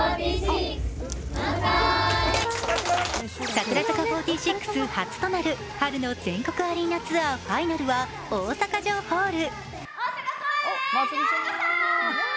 櫻坂４６初となる春の全国アリーナツアーファイナルは大阪城ホール。